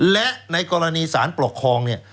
และในกรณีสารปกครองเนี่ย